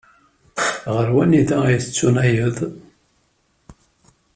Ɣer wanida ay tunageḍ?